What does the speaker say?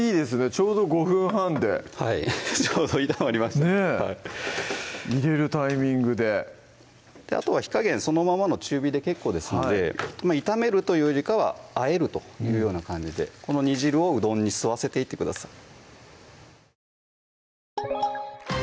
ちょうど５分半ではいちょうど炒まりましたねぇ入れるタイミングであとは火加減そのままの中火で結構ですので炒めるというよりかは和えるというような感じでこの煮汁をうどんに吸わせていってください